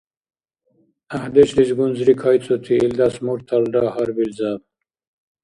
ГӀяхӀдешлис гунзри кайцӀути илдас мурталра гьарбилзаб.